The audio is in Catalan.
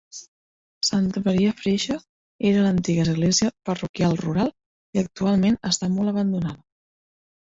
Santa Maria Freixe era l'antiga església parroquial rural i actualment està molt abandonada.